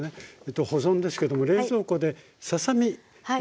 保存ですけども冷蔵庫でささ身本体は。